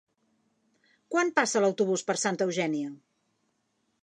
Quan passa l'autobús per Santa Eugènia?